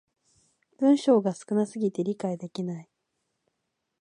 文章が少な過ぎて理解できない